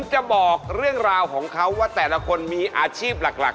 ชื่อเล่นชื่อพลครับ